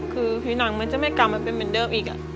คือผิวหนังมันจะไม่กลับมาเป็นเหมือนเดิมอีก